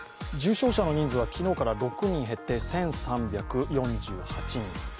重症者の人数は昨日から６人減って１３６８人。